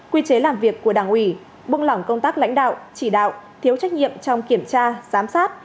quy chế làm việc của đảng ủy buông lỏng công tác lãnh đạo chỉ đạo thiếu trách nhiệm trong kiểm tra giám sát